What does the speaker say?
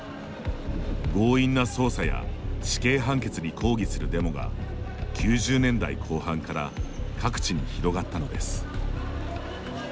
強引な捜査や死刑判決に抗議するデモが９０年代後半から各地に広がったのです。